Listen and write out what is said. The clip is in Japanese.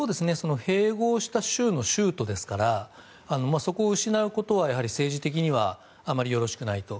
併合した州の州都ですからそこを失うことは政治的にはあまりよろしくないと。